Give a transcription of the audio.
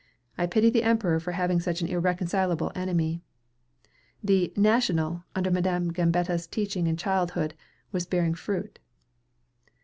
"I pity the Emperor for having such an irreconcilable enemy." The "National," under Madam Gambetta's teaching in childhood, was bearing fruit.